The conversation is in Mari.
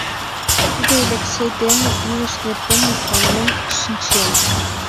Тудо Элексей дене илыш нерген мутланен шинчен.